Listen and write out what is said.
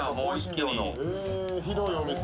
広いお店。